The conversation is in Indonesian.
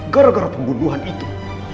gara gara pembunuhan itu